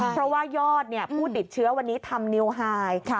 เพราะว่ายอดผู้ติดเชื้อวันนี้ทำนิวไฮ